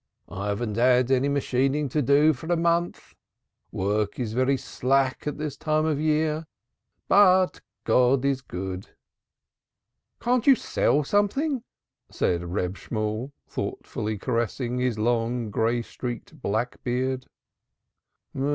"I haven't had any machining to do for a month. Work is very slack at this time of year. But God is good." "Can't you sell something?" said Reb Shemuel, thoughtfully caressing his long, gray streaked black beard.